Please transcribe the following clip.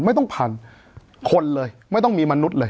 ไม่ต้องผ่านคนเลยไม่ต้องมีมนุษย์เลย